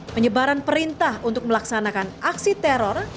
penyebaran perintah untuk melaksanakan aksi teror